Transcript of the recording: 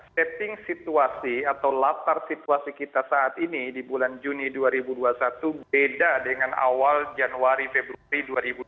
setting situasi atau latar situasi kita saat ini di bulan juni dua ribu dua puluh satu beda dengan awal januari februari dua ribu dua puluh